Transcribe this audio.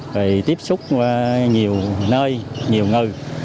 thì tiếp xúc nhiều nơi nhiều người